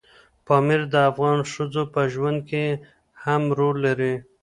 پامیر د افغان ښځو په ژوند کې هم رول لري.